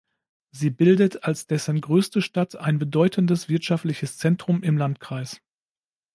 Sie bildet als dessen größte Stadt ein bedeutendes wirtschaftliches Zentrum im Landkreis.